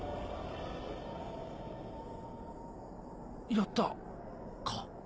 やったか？